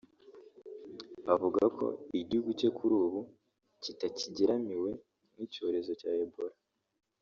avuga ko igihugu cye kuri ubu kitakigeramiwe n’icyorezo cya Ebola